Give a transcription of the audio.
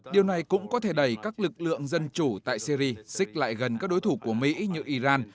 điều này cũng có thể đẩy các lực lượng dân chủ tại syri xích lại gần các đối thủ của mỹ như iran